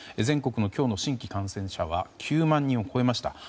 全国の今日の新規感染者は９万人を超えました。